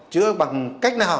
chữa bằng cách nào